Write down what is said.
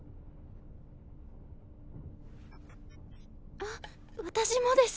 あ私もです。